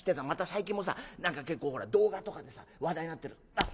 最近もさ何か結構動画とかでさ話題になってるあっ